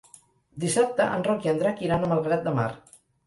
Dissabte en Roc i en Drac iran a Malgrat de Mar.